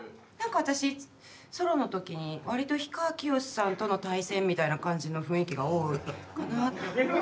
何か私ソロの時にわりと氷川きよしさんとの対戦みたいな感じの雰囲気が多いかな⁉